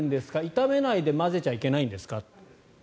炒めないで混ぜちゃいけないんですか？